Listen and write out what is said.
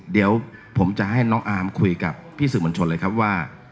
เดี๋ยวผมจะให้น้องอาร์มคุยกับพี่สื่อมวลชนเลยครับว่า